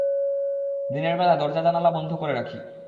দিনের বেলায় দরজা-জানালা বন্ধ করে রাখি।